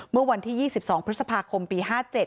เมื่อวันที่๒๒พฤษภาคมปี๕๗